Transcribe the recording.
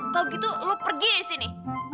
kalau gitu lo pergi ke sini